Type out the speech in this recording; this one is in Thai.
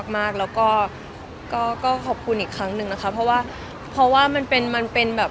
มากเราก็ก็เข้าคุณอีกครั้งหนึ่งนะคะเหรอค่ะเพราะว่ามันเป็นแบบ